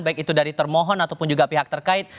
baik itu dari termohon ataupun juga pihak terkait